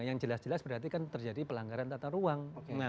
yang jelas jelas berarti kan terjadi pelanggaran tata ruang